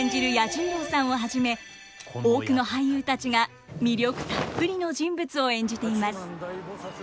彌十郎さんをはじめ多くの俳優たちが魅力たっぷりの人物を演じています。